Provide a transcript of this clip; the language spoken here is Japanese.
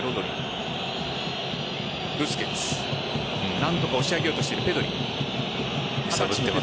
何とか押し上げようとしているペドリ。